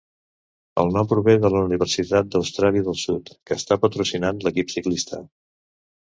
El nom prové de la Universitat d'Austràlia del Sud, que està patrocinant l'equip ciclista.